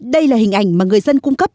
đây là hình ảnh mà người dân cung cấp